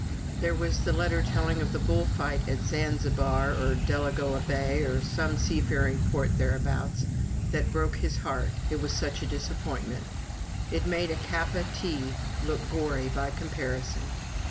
There was the letter telling of the bull fight at Zanzibar, or Delagoa Bay, or some seafaring port thereabouts, that broke his heart, it was such a disappointment "it made a Kappa tea look gory by comparison."